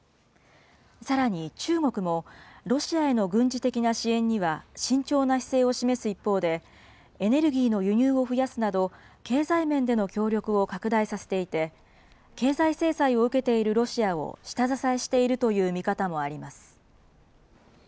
さらに中国も、ロシアへの軍事的な支援には慎重な姿勢を示す一方で、エネルギーの輸入を増やすなど、経済面での協力を拡大させていて、経済制裁を受けているロシアを下支えしているという見方もありま